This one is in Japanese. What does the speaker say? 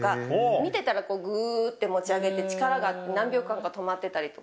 見てたらぐって持ち上げて力が何秒間か止まってたりとか。